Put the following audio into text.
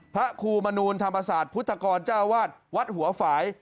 พระครูมนูลธรรมศาสตร์พุทธกรเจ้าวาดวัดหัวฝ่าย